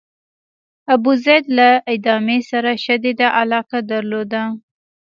ابوزید له ادامې سره شدیده علاقه درلوده.